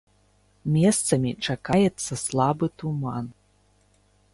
Месцамі чакаецца слабы туман.